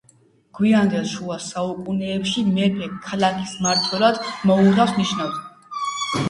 გვიანდელ შუა საუკუნეებში მეფე ქალაქის მმართველად მოურავს ნიშნავდა.